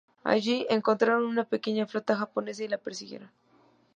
Allí encontraron una pequeña flota japonesa y la persiguieron.